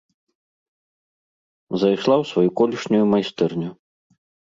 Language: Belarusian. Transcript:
Зайшла ў сваю колішнюю майстэрню.